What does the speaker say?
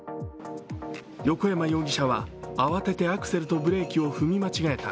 横山容疑者は慌ててアクセルとブレーキを踏み間違えた。